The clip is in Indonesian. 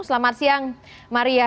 selamat siang maria